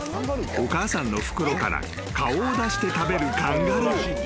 ［お母さんの袋から顔を出して食べるカンガルー］